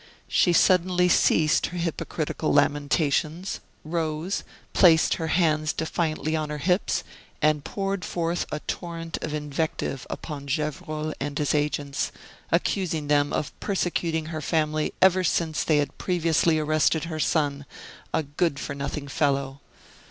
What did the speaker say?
She suddenly ceased her hypocritical lamentations, rose, placed her hands defiantly on her hips, and poured forth a torrent of invective upon Gevrol and his agents, accusing them of persecuting her family ever since they had previously arrested her son, a good for nothing fellow.